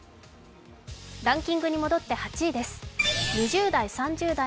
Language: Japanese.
ランキングに戻って８位です。